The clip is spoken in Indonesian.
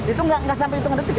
itu nggak sampai hitung detik ya